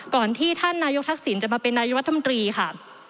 ก่อนที่ท่านนายกทักษิณจะมาเป็นนายกรัฐมนตรีค่ะ